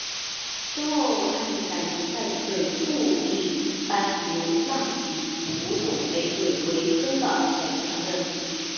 之后域汉在联赛对布力般流浪及足总杯对韦根的比赛中上阵。